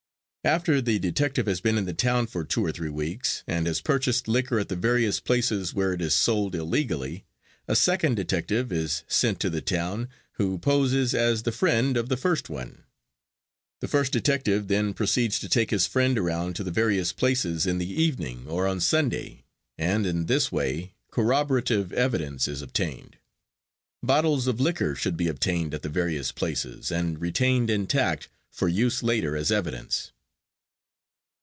After the detective has been in the town for two or three weeks, and has purchased liquor at the various places where it is sold illegally, a second detective is sent to the town who poses as the friend of the first one. The first detective then proceeds to take his friend around to the various places in the evening, or on Sunday, and in this way corroborative evidence is obtained. Bottles of liquor should be obtained at the various places and retained intact for use later as evidence.